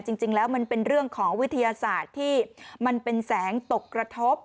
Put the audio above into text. จริงแล้วมันเป็นเรื่องของวิทยาศาสตร์ที่มันเป็นแสงตกกระทบ